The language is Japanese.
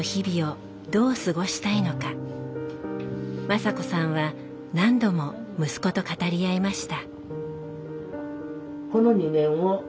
雅子さんは何度も息子と語り合いました。